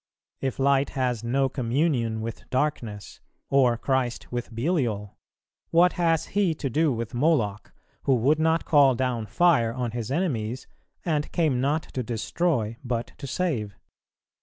If light has no communion with darkness, or Christ with Belial, what has He to do with Moloch, who would not call down fire on His enemies, and came not to destroy but to save?